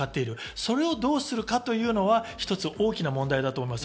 それをどうするかというのが一つ大きな問題だと思います。